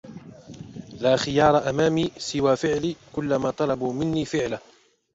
لا خيار أمامي سوى فعل كلّ ما طلبوا منّي فعله.